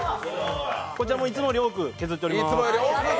こちらもいつもより多く削っております。